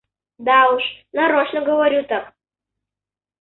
Да уж нарочно говорю так.